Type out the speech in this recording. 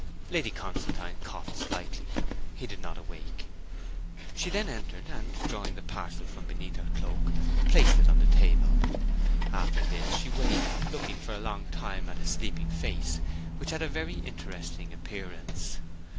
Lady Constantine coughed slightly; he did not awake. She then entered, and, drawing the parcel from beneath her cloak, placed it on the table. After this she waited, looking for a long time at his sleeping face, which had a very interesting appearance.